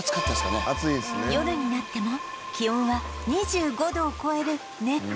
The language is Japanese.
夜になっても気温は２５度を超える熱帯夜